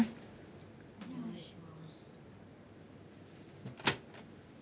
お願いします。